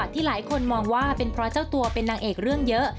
ที่หลายคนมองว่าเป็นเพราะเจ้าตัวเป็นนางเอกเรื่องเยอะ